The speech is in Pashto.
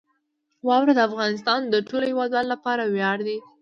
واوره د افغانستان د ټولو هیوادوالو لپاره ویاړ دی.